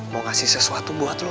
mau ngasih sesuatu buat lo